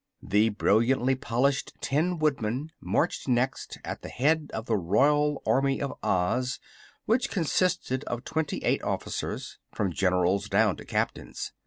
The brilliantly polished Tin Woodman marched next, at the head of the Royal Army of Oz which consisted of twenty eight officers, from Generals down to Captains.